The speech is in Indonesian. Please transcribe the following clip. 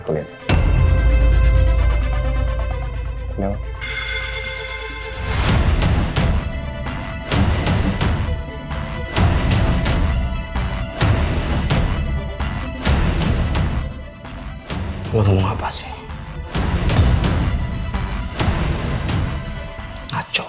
justru malam itu gue nolongin jesse dari si dennis